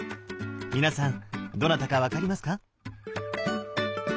皆さんどなたか分かりますか？